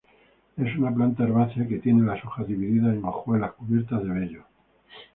Es una planta herbácea que tiene las hojas divididas en hojuelas cubiertas de vellos.